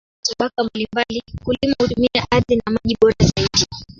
Kwa kupanda mimea katika tabaka mbalimbali, wakulima hutumia ardhi na maji bora zaidi.